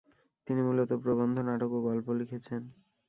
তিনি মূলত প্রবন্ধ, নাটক ও গল্প লিখেছেন।